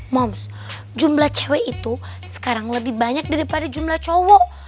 moms jumlah cewek itu sekarang lebih banyak daripada jumlah cowok